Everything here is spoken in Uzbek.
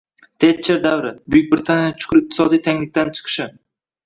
Tetcher davri— Buyuk Britaniyaning chuqur iqtisodiy tanglikdan chiqishi